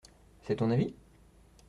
C'est ton avis ?